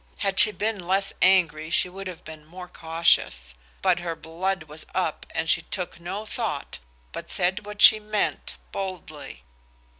Had she been less angry she would have been more cautious. But her blood was up, and she took no thought, but said what she meant, boldly.